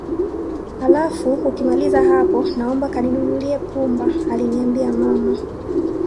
Alafu ukimaliza hapo naomba kaninunulie pumba alinambia mama